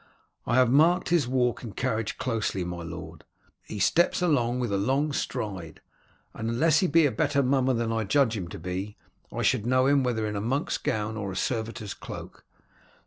"I have marked his walk and carriage closely, my lord. He steps along with a long stride, and unless he be a better mummer than I judge him to be, I should know him whether in a monk's gown or a servitor's cloak.